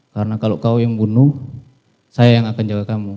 karena kalau kamu yang bunuh saya yang akan jaga kamu